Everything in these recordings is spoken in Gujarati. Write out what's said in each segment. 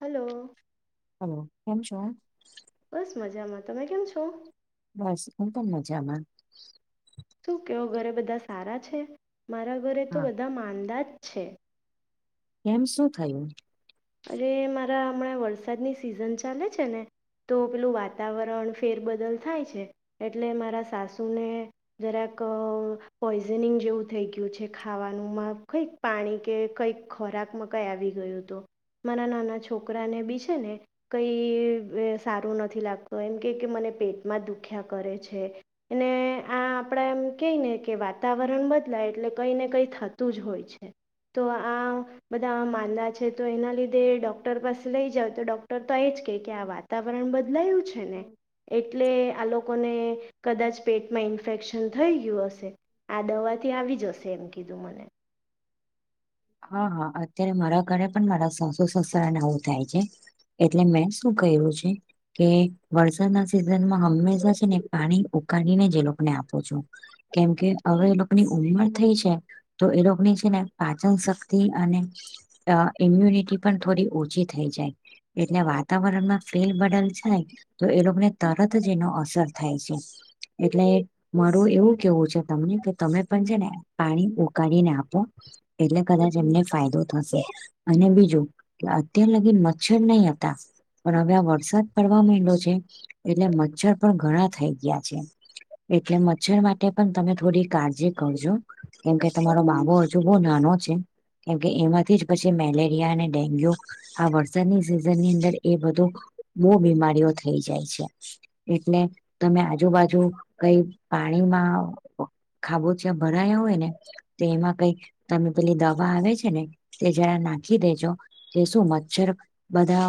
હલો. હલો કેમ છો? બસ મજામાં, તમે કેમ છો? બસ હું પણ મજામાં. શું કેવો ઘરે બધા સારા છે? મારા ઘરે તો હા બધા માંદા જ છે. કેમ શું થયું? અરે મારા હમણાં વરસાદની સિઝન ચાલે છે ને. તો પેલું વાતાવરણ ફેરબદલ થાય છે, એટલે મારા સાસુને જરાક પોઈઝનિંગ જેવું થઈ ગયું છે ખાવાનુંમાં કઈક. પાણી કે કંઈક ખોરાકમાં કંઈ આવી ગયું હતું, મારા નાના છોકરાને બી છે ને. કઈ સારું નથી લાગતું એમ કેય ને કે મને પેટમાં દુખ્યા કરે છે. અને આ આપડા એમ કઈને કે વાત વાતાવરણ બદલાય એટલે કઈ ને કઈ થતું જ હોય છે. તો આ બધા માંદા છે તો એના લીધે ડોક્ટર પાસે લઈ જાવ તો ડોક્ટર તો એજ કે કે આ વાતાવરણ બદલાયું છે ને એટલે આ લોકોને કદાચ પેટમાં ઇન્ફેક્શન થઈ ગયું હશે? આ દવા થી આવી જશે એમ કીધું મને! હા હા અત્યારે મારા ઘરે પણ મારા સાસુ સસરાનેવું થાય છે. એટલે મેં શું ક્યું છે. કે વરસાદના સિઝન માં હંમેશા છે ને પાણી ઉકાળીને જે લોકોને આપો છું. કેમ કે હવે એ લોકોની ઉમર થઈ છે તો એ લોકોની છે ને પા ચન શક્તિ અને ઇમ્યુનિટી પણ થોડી ઓછી થઈ જાય. એટલે વાતાવરણ માં ફેર બદલ છે. તો એ લોકોને તરત જ એનો અસર થાય છે એટલે મારું એવું કેવું છે તમને કે તમે પણ છે ને પાણી ઉકાળીને આપો! એટલે કદાચ એમ ને ફાયદો થશે. અને બીજું કે અત્યાર લગી મચ્છર નહી હતા. પણ હવે આ વરસાદ પડવા માંડ્યો છે એટલે મચ્છર પણ ઘણા થઈ ગયા છે. એટલે મચ્છર માટે પણ તમે થોડી કાળજી કરજો કેમકે તમારો બાબો હજુ બો નાનો છે કેમકે એમાંથી પછી અને ડેન્ગ્યુ આ વરસાદની સિઝનની અંદર એ બધું બહુ બીમારીઓ થઈ જાય છે. એટલે તમે આજુબાજુ કઈ પાણીમાં ખાબોચીયા ભરાયા હોય ને તો એમાં કઈ તમે પેલી દવા આવે છે તે જરા નાખી દેજો એ શું મચ્છર બધા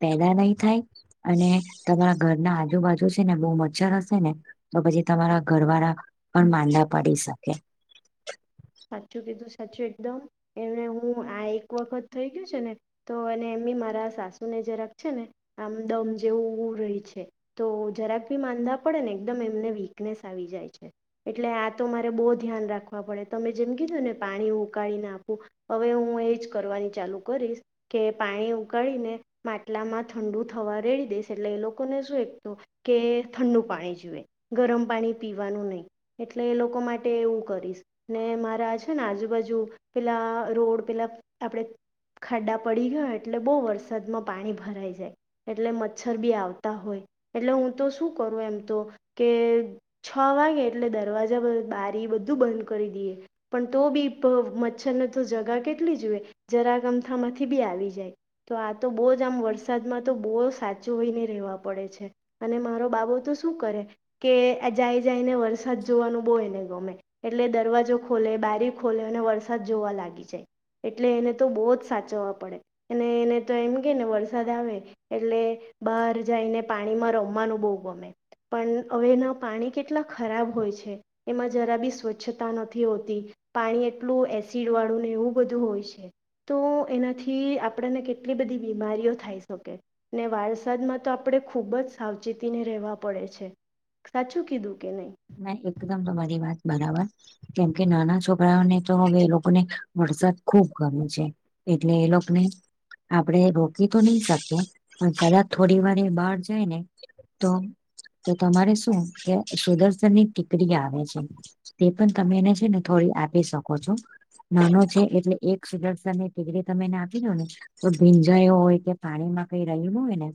પેદા નહી થાય અને તમારા ઘર ના આજુબાજુ છે ને બહુ મચ્છર હશે ને? તો પછી તમારા ઘરવાળા પણ માંદા પડી શકે. સાચું કીધું સાચું એકદમ એમણે હું આ એક વખત થઈ ગયું છે ને તો અને એમી મારા સાસુ ને જરાક છે ને આમ દમ જેવું રહી છે. તો જરાક ભી માંદા પડે ને એકદમ એમને વીકનેસ આવી જાય છે. એટલે આ તો મારે બહુ ધ્યાન રાખવા પડે તમે જેમ કીધો ને પાણી ઉકાળી નાખું હવે હું એજ કરવાની ચાલુ કરીશ! કે પાણી ઉકાળીને માટલામાં ઠંડુ થવા રેડી દઈશ એટલે એ લોકોને શું એક કે ઠંડુ પાણી જીવે ગરમ પાણી પીવાનું નહી એટલે એ લોકો માટે એવું કરીશ, ને મારા છે ને આજુબાજુ પેલા રોડ પેલા આપડે ખાડા પડી ગયા એટલે બહુ વરસાદમાં પાણી ભરાઈ જાય એટલે મચ્છર બી આવતા હોય એટલે હું તો શું કરું એમ તો કે! છ વાગે એટલે દરવાજા બારી બધું બંધ કરી દઈએ. પણ તો બી મચ્છરને તો જગા કેટલી જુએ જરાક અમથામાંથી બી આવી જાય તો આ તો બહુ જ આમ વરસાદમાં તો બહુ સાચું હોયને રહેવા પડે છે. અને મારો બાબુ તો શું કરે કે જાય જાયને વરસાદ જોવાનું બો એને ગમે એટલે બારી ખોલે અને વરસાદ જોવા લાગી જાય એટલે એને તો બહુ જ સાચવવા પડે! ! અને એને તો એમ કે ને વરસાદ આવે એટલે બહાર જઈને પાણી માં રમવાનું બહુ ગમે પણ હવે એના પાણી કેટલા ખરાબ હોય છે એમાં જરા બી સ્વચ્છ સ્વચ્છતા હોતી પાણી એટલું એસિડ ને એવું બધું હોય છે. તો એનાથી આપણને કેટલી બધી બીમારીઓ થઈ શકે. ને વરસાદમાં તો આપણેે ખુબ જ સાવચેતીને રહેવા પડે છે. સાચું કીધું કે નહીં? હ એકદમ તમારી વાત બરાબર. કેમકે નાના છોકરાઓને તો હવે એ લોકોને વરસાદ ખુબ ગમે છે. એટલે એ લોકોને આપડે રોકી તો નહી શકીએ, પણ કદાચ થોડી વાર બહાર જાય ને. તો તો તમારે શું કે સુદર્શન ની ટીકરી આવે છે. તે પણ તમે એને છે ને થોડી આપી શકો છો. નાનો છે એટલે સુદર્શ ની ડિગ્રી તમે એને આપી દો. તો ભીંજાયો હોય કે પાણીમાં કઈ રલું હોય ને.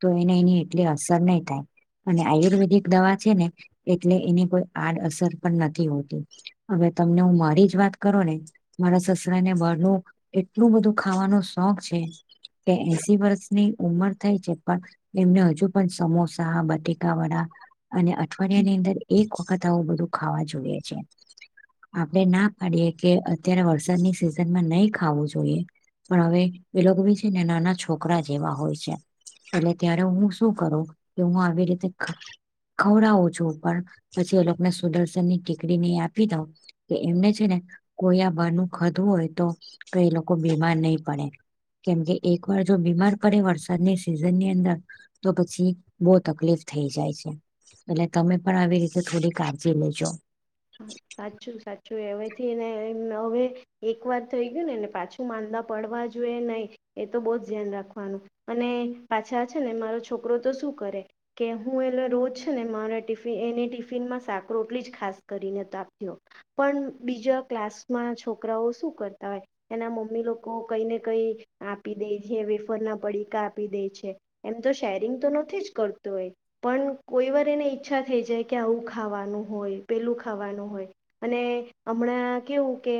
તો એને એની એટલી અસર નહી થાય, અને આયુર્વેદિક દવા છે ને. એટલે એની કોઈ આડઅસર પણ નથી હોતી, હવે તમને હું મારી જ વાત કરો ને. મારા સસરા ને બારણું એટલું બધું ખાવાનો શોખ છે. એસી વર્ષની ઉંમર થાય છે પણ એમને હજુ પણ સમોસા બટેકાવડા, અને અવા અને ની અંદર એક વખત આવું બધું ખાવા જોઈએ છે. આપડે ના પાડીએ કે અત્યારે વરસાદની સિઝન માં નહી ખાવું જોઈએ. પણ હવે એ લોકો ભી છે ને નાના છોકરા જેવા હોય છે. એટલે ત્યારે હું શું કરું કે હું આવી રીતે ખવડાવ છું. જો પણ પછી એ લોકોને સુદર્શનની ટીકડી ને આપી દઉ. કે એમને છે ને કોઈ આ બરનું ખધું હોય તો કઈ લોકો બીમાર નહીં પડે. કેમકે એક વાર જો બીમાર પડે વરસાદની સિઝન ની અંદર તો પછી બહુ તકલીફ થઈ જાય છે. એટલે તમે પણ આવી રીતે કાળજી લેજો. સાચું સાચું એવેથી ને એમ હવે એક વાર થઈ ગયું નેને પાછું માંદા પડવા જોઈએ નહી એ તો બહુ જ ધ્યાન રાખવાનું. અને પાછા છે ને મારો છોકરો તો શું કરે? કે હું એલે રોજ છે ને મારા ટફન એને ટિફિનમાં સાકરો એટલી જ ખાસ. કરીને તો આપ, પણ બીજા ક્લાસમાં છોકરાઓ શું કરતા હોય. એના મમ્મી લોકો કઈ ને કઈ આપી દે છે વેફર ના પડીકા આપી દે છે. એમ તો શેરિંગ તો નથી જ કરતું એ. પણ કોઈ વાર એને ઈચ્છા થઈ જાય કે આવું ખાવાનું હોય પેલું ખાવાનું હોય. અને હમણાં કેવું કે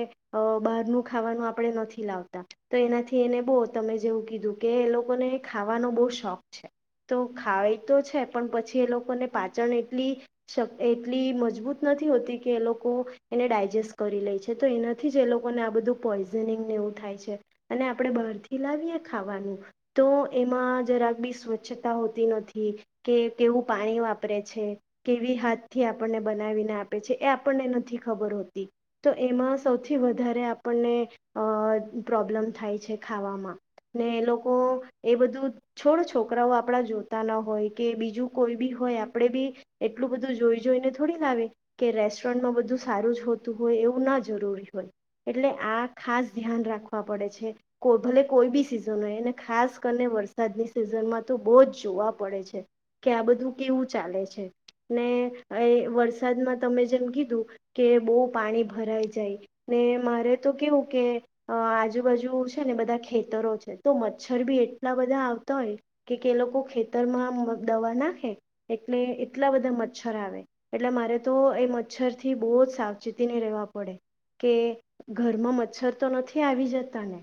બહારનું ખાવાનું આપણે નથી લાવતા. તો એનાથી એને બહ તમે જેવું કીધું કે એ લોકોને ખાવાનો બહુ શોખ છે. તો ખવા તો છે પણ પછી એ લોકોને પાચન એટલી શ એટલી મજબૂત નથી હોતી કે એ લોકો એને ડાયજેસ્ટ કરી લે છે તો એનાથી જ એ લોકોને આ બધું પોઈઝનિંગને એવું થાય છે, અને આપડણે બહારથી લાવીએ ખાવાનું. તો એમાં જરાક બી સ્વચ્છતા હોતી નથી. કે કેવું પાણી વાપરે છે, કેવી હાથ થી આપણને બનાવીને આપે છે એ આપણને નથી ખબર હોતી. તો એમાં સૌથી વધારે આપણને અ પ્રોબ્લમ થાય છે ખાવામાં. ને લોકો એ બધું છોડ છોકરાઓ આપણા જોતા ના હોય કે બીજું કોઈ બી હોય આપણેે બી બધું જોઈ થોડી લાવે. કે રેસ્ટોરન્ટમાં બધું સારું જ હોતું હોય એવું ના જરૂરી હોય. એટલે આ ખાસ ધ્યાન રાખવા પડે છે. કો ભલે કોઈ બી સિઝન હોય અનેને ખાસ કરીને વરસાદની સિઝનમાં તો બહુ જ જોવા પડે છે. કે આ બધું કેવું ચાલે છે, ને એ વરસાદમાં તમે જેમ કીધું. કે બહુ પાણી ભરાઈ જાય, ને મારે તો કેવું કે અ આજુબાજુ છે ને બધા ખેતરો છે તો મચ્છર બી એટલા બધા આવતા હોય. કે કે લોકો ખેતરમાં દવા નાખે, એટલે એટલા બધા મચ્છર આવે. એટલે મારે તો એ મચ્છર થી બહુ જ સાવચેતીને રહેવા પડે. કે ઘરમાં મચ્છર તો નથી આવી જતા ને.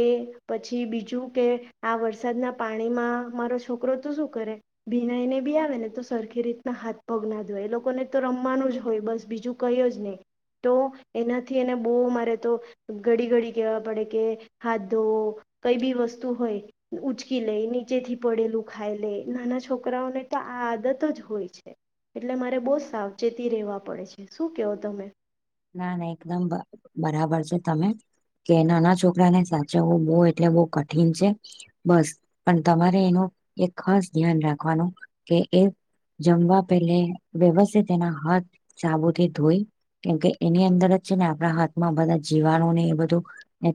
એ પછી બીજું કે આ વરસાદના પાણીમાં મારો છોકરો તો શું કરે. ભીના એને બી આવે ને તો સરખી રીતના હાથ પગ ના ધોય એ લોકોને રમવાનું જ હોય બસ બીજું કય જ નહી, તો એનાથી એને બહુ મારે તો ઘડી ઘડી કેવા પડે કે, હાધ ધો કઈ બી વસ્તુ હોય. ઉચકી લે નીચે થી પડેલું ખાઈ લે નાના છોકરાઓને તો આ આદત જ હોય છે. એટલે મારે બહુ સાવચેતી રહેવા પડે છે શું કેવો તમે? ના ના એકદમ બરાબર છે તમે. કે નાના છોકરાને સાચવવું બહુ એટલે બઉ કઠિન છે. બસ પણ તમારે એનું એક ખાસ ધ્યાન રાખવાનું કે એ જમવા પેલે વ્યવસ્થિત તેના હાથ સાબુથી ધોઈ. કેમકે એની અંદર જ છે ને આપણા હાથમાં બધા જીવાણુ ને એ બધું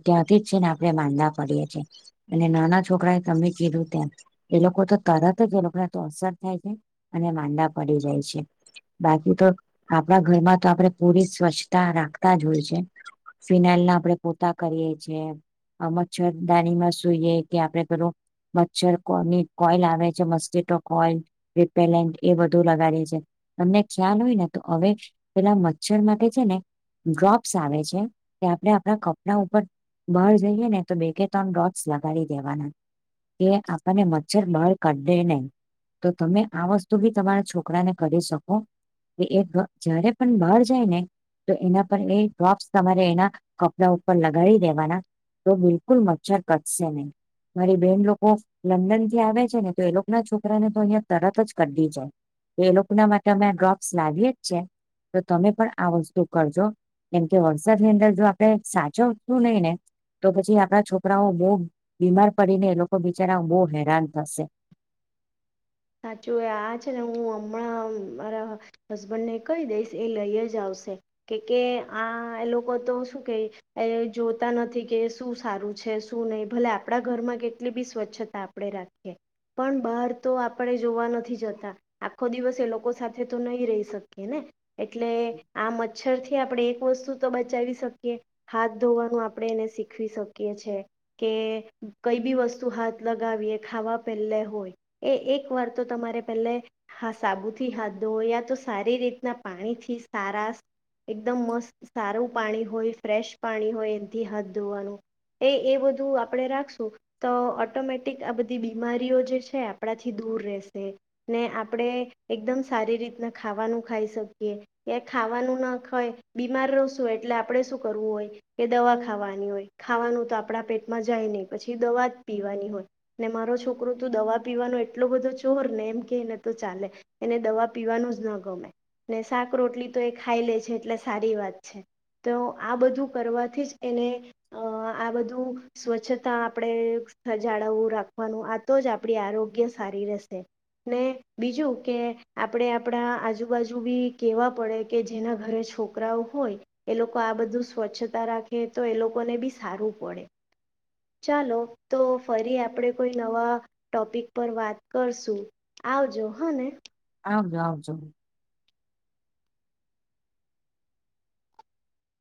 ત્યાંથી જ છે ને આપડણે બાંધા પડીએ છીએ, અને નાના છોકરાએ તમે કીધું તેમ. એ લોકો તો તરત જ એ લોકોને તો અસર થાય છે, અને માંદા પડી જાય છે. બાકી તો આપણા ઘરમાં તો આપણે પૂરી સ્વચ્છતા રાખતા જ હોય છે. ફિનાઇલ ના આપડણે કરીએ છ. મચ્છરદાનીમાં સુઈએ કે આપડણે ઘરું મચ્છર કોની કોઈલ આવે છે મસ્કીટો કોઈલ. રિપેલેન્ટ એ બધું લગાડી છે, તમને ખ્યાલ હોય ને તો હવે પેલા િક માટે છે ને ડ્રોપ્સ આવે છે, તે આપણે આપણા કપડા ઉપર બહાર જઈએ ને તો બે કે ત્રણ ડોટ્સ લગાડી દેવાના. કે આપણને મચ્છર બહાર કાઢ દે નહી. તો તમે આ વસ્તુ બી તમારા છોકરાને કરી શકો, કે એક જયારે પણ બહાર જાય ને તો એના પર એ ડ્રોપ્સ તમારે એના કપડા ઉપર લગાડી દેવાના. તો બિલકુલ મચ્છર કટશે નહી, મારી બેન લોકો લંડન થી આવે છે ને એ લોકો ના છોકરાને અહિયાયા તરત જ કઢી જાય. એ લોકો ના માટે અમે ડ્રોપ્સ લાવીએ જ છે. તો તમે પણ આ વસ્તુ કરજો કેમકે વરસાદની અંદર જો આપડે સાચવતું નહી ને. તો પછી આપણા છોકરાઓ બહુ બીમાર પડીને એ લોકો બિચારા બહુ હેરાન થશે. સાચું આ છે ને હું હમણાં મારા હસબન્ડ ને કહી દઈશ એ લઈ જ આવશે, કે કે આ એ લોકો તો શું કે. એ જોતા નથી કે શું સારું છે શું નહીિ ભલે આપણા ઘરમાં કેટલી બી સ્વચ્છતા આપ રાખીએ પણ બહાર આપણે જોવા નથી જતા આખો દિવસ એ લોકો સાથે તો નહી રહી શકીએ ને. એટલે આ મચ્છર થી આપણે એક વસ્તુ તો બચાવી શકીએ. હાથ ધોવાનું આપણે એને શીખવી શકીએ છે. કે કઈ બી વસ્તુ હાથ લગાવીએ ખાવા પેલે હોય, એ એક એક વાર તો તમારે પેલે હા સાબુથી હાથ ધોયા, તો સારી રીતના પાણીથી સારા એકદમ મસ્ત સારું પાણી હોય, ફ્રેશ પાણી હોય એનથી હાથ ધોવાનું. એ એ બધું આપણે રાખશું, તો ઓટોમેટિક આ બધી બીમારીઓ જે છે આપણાથી થી દૂર રેસે, ને આપડણે એકદમ સારી રીતના ખાવાનું ખાઈ સકીએ. કે ખાવાનું ન ખઈ, બીમાર રશું એટલે આપડે શું ઓય. કે દવા ખાવાની હોય, ખાવાનું તો આપણા પેટમાં જાય ની, પછી દવા જ પીવાની હોય. ને મારો છોકરો તો દવા પીવાનો એ એટલો બધો જોર ને એમ કેને તો ચાલે, એને દવા પીવાનું જ ન ગમે. ને સાક-રોટલી તો એ ખાઈ લે છે, એટલે સારી વાત છે. તો આ બધું કરવાથી જ એને, અ આ બધું... સ્વચ્છતા આપણે સ જાળવું રાખવાનુ, આ તો જ આપણી આરોગ્ય સારી રેશે. ને બીજું કે આપડે આપડા આજુબાજુ બી કેવા પડે કે જેના ઘરે છો કરાઓ હોય, એ લોકો આ બધું સ્વચ્છતા રાખે, તો એ લોકોને બી સારું પડે. ચાલો, તો ફરી આપણે કોઈ નવા ટોપિક પર વાત કરશું, આવજો હં ને. આવજો, આવજો.